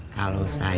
kalau saya sih